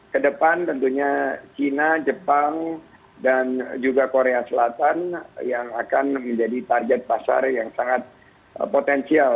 kedepan tentunya china jepang dan juga korea selatan yang akan menjadi target pasar yang sangat potensial